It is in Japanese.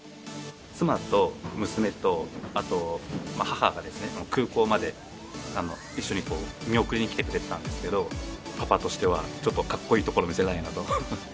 妻と娘と母が空港まで一緒に見送りに来てくれてたんですけれども、パパとしてはちょっとかっこいいとこ見せたいなと。